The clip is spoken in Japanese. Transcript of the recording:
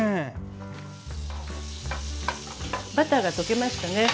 バターが溶けましたね。